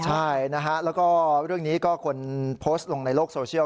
ใช่นะฮะแล้วก็เรื่องนี้ก็คนโพสต์ลงในโลกโซเชียล